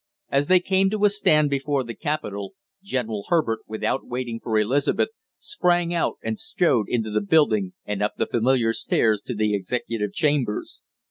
As they came to a stand before the capitol, General Herbert, without waiting for Elizabeth, sprang out and strode into the building and up the familiar stairs to the executive chambers.